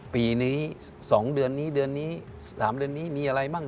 ปีนี้๒เดือนนี้เดือนนี้๓เดือนนี้มีอะไรบ้าง